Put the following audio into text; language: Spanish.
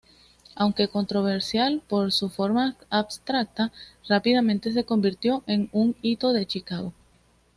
Aunque controversial por su forma abstracta, rápidamente se convirtió en un hito de Chicago.